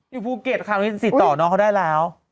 อยู่ภูเก็ตคราวนี้ติดต่อน้องเขาได้แล้ว